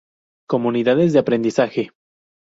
Comunidades de aprendizaje.